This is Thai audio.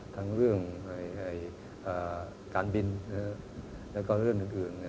ทั้งเรื่องการบินแล้วก็เรื่องอื่น